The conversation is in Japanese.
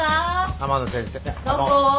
天野先生。